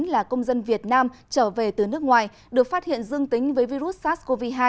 là công dân việt nam trở về từ nước ngoài được phát hiện dương tính với virus sars cov hai